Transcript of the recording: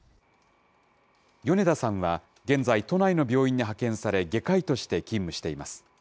米田さんは現在、都内の病院に派遣され、外科医として勤務しています。